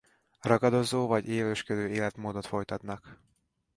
Ragadozó vagy élősködő életmódot folytatnak.